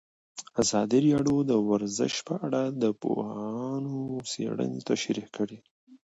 ازادي راډیو د ورزش په اړه د پوهانو څېړنې تشریح کړې.